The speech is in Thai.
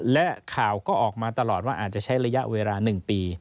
และข่าวก็ออกมาตลอดว่าอาจจะใช้ระยะเวลา๑ปี